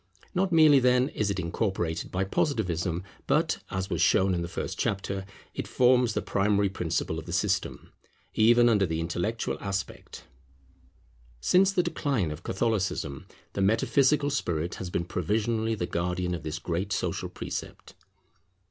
Not merely, then, is it incorporated by Positivism, but, as was shown in the first chapter, it forms the primary principle of the system, even under the intellectual aspect. Since the decline of Catholicism the metaphysical spirit has been provisionally the guardian of this great social precept.